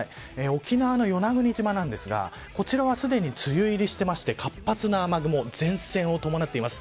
沖縄の与那国島ですが、こちらはすでに梅雨入りしていて活発な雨雲前線を伴っています。